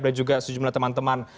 dan juga sejumlah teman teman